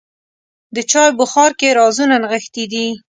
د چای بخار کې رازونه نغښتي دي.